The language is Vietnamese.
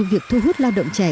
việc thu hút lao động trẻ